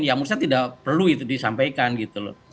ya mursyad tidak perlu itu disampaikan gitu loh